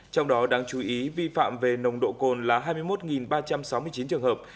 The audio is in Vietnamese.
trong đó đáng chú ý vi phạm về nồng độ cồn là hai mươi một ba trăm sáu mươi chín trường hợp